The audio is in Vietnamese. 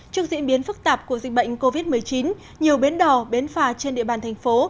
trước diễn biến phức tạp của dịch bệnh covid một mươi chín nhiều bến đò bến phà trên địa bàn thành phố